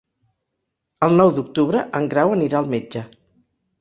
El nou d'octubre en Grau anirà al metge.